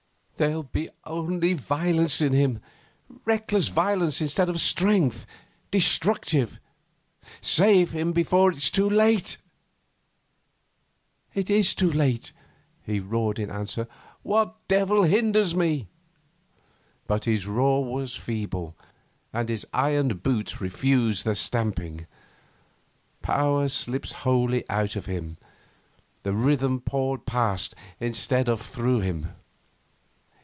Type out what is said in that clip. '... There'll be only violence in him reckless violence instead of strength destructive. Save him before it is too late!' 'It is too late,' he roared in answer. 'What devil hinders me?' But his roar was feeble, and his ironed boots refused the stamping. Power slipped wholly out of him. The rhythm poured past, instead of through him.